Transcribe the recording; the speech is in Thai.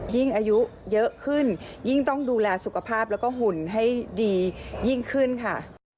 ยิ่งอายุเยอะขึ้นยิ่งต้องดูแลสุขภาพแล้วก็หุ่นให้ดียิ่งขึ้นค่ะ